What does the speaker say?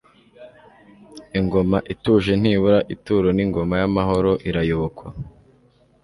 Ingoma ituje ntibura ituro ni Ingoma y'amahoro irayobokwa.